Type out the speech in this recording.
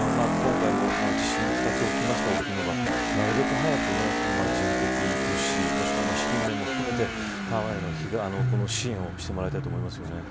古市さん、今回も地震２つ起きましたがなるべく早く、人的物資もしくは資金面も含めて台湾への支援をしてもらいたいと思いますよね。